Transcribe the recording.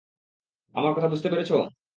আমার কথা বুঝতে পেরেছ?